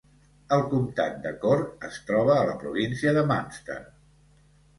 El comtat de Cork es troba a la província de Munster.